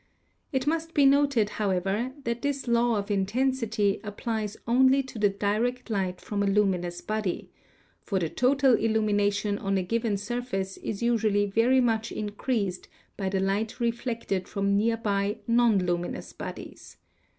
It must be noted, however, that this law of intensity applies only to the direct light from a luminous body; for the total illumination on a given surface 4 is usually very much in creased by the light reflected from near by non luminous bodies.